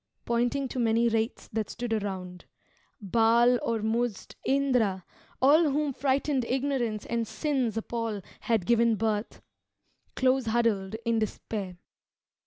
pointing to many wraiths That stood around Baal, Ormuzd, Indra, all Whom frightened ignorance and sin's appall Had given birth, close huddled in despair.